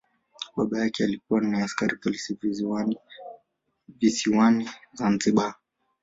Baba yake alikuwa ni askari polisi visiwani Zanzibar.